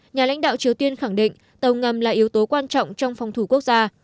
nhà lãnh đạo triều tiên khẳng định tàu ngầm là yếu tố quan trọng trong phòng thủ quốc gia